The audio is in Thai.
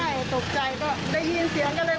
ใช่ตกใจก็ได้ยินเสียงก็เลย